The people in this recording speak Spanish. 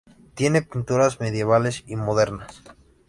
Tiene pinturas medievales y modernas.